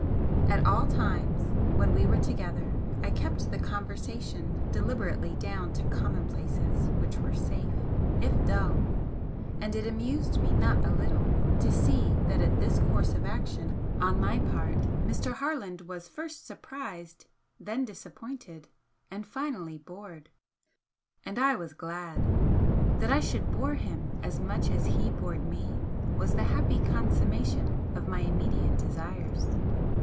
At all times when we were together I kept the conversation deliberately down to commonplaces which were safe, if dull, and it amused me not a little to see that at this course of action on my part Mr. Harland was first surprised, then disappointed and finally bored. And I was glad. That I should bore him as much as he bored me was the happy consummation of my immediate desires.